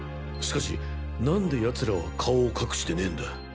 しかしなんで奴らは顔を隠してねぇんだ？